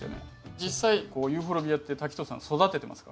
実際ユーフォルビアって滝藤さん育ててますか？